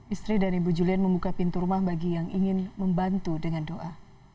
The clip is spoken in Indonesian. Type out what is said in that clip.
istri dan ibu julian membuka pintu rumah bagi yang ingin membantu dengan doa